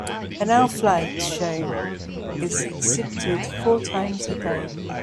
An owl flight show is exhibited four times a day.